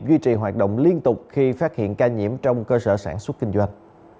duy trì hoạt động liên tục khi phát hiện ca nhiễm trong cơ sở sản xuất kinh doanh